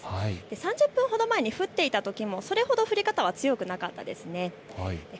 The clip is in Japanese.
３０分ほど前に降っていたときもそれほど降り方は強くなかったです。